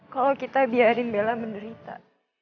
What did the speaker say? kalau kita biarin bella menderita